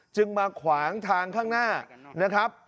จึงมาขวางทางข้างหน้านะครับ